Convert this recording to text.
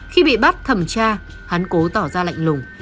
khi bị bắt thẩm tra hắn cố tỏ ra lệnh lùng